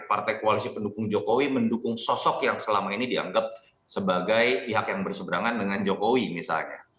partai koalisi pendukung jokowi mendukung sosok yang selama ini dianggap sebagai pihak yang berseberangan dengan jokowi misalnya